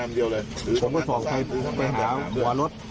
ผมก็ส่องไฟไปหาหัวรถ